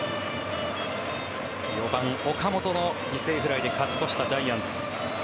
４番、岡本の犠牲フライで勝ち越したジャイアンツ。